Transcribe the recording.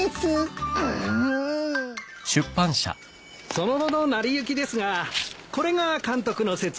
その後の成り行きですがこれが監督の説話。